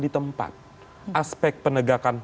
di tempat aspek penegakan